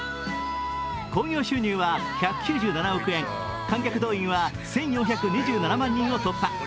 興行収入は１９７億円観客動員は１４２７万人を突破。